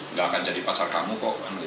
nggak akan jadi pasar kamu kok